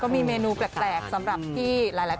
ไม่เยอะไม่เยอะ